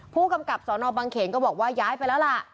ผู้กำกับสนบังเขนก็บอกว่าย้ายไปแล้วล่ะ